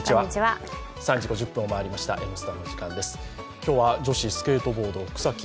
今日は女子スケートボード草木